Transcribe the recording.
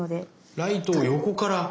ライトを横から。